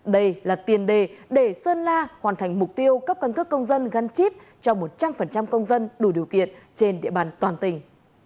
đây là tiền đề để sơn la hoàn thành mục tiêu cấp căn cước công dân gắn chip cho một trăm linh công dân đủ điều kiện trên địa bàn toàn tỉnh